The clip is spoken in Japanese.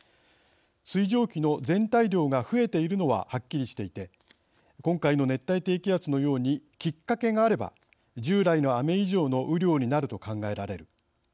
水蒸気の全体量が増えているのははっきりしていて今回の熱帯低気圧のようにきっかけがあれば従来の雨以上の雨量になると考えられる。